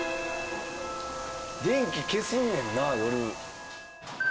電気消すねんな夜。